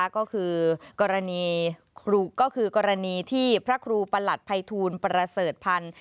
ก็คือกรณีที่พระครูประหลัดภัยทูลประเสริฐพันธ์